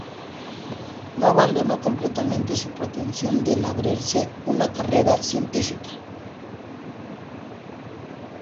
No abandonó completamente su pretensión de labrarse una carrera científica.